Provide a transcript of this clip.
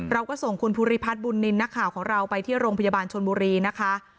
เราก็ส่งคุณภูริพัฒน์บุญนินทร์นักข่าวของเราไปที่โรงพยาบาลชนบุรีนะคะ